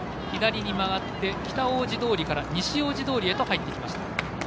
左に曲がって北大路通から西大路通へと入ってきました。